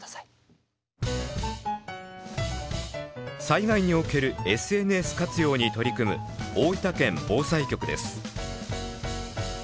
災害におけるＳＮＳ活用に取り組む大分県防災局です。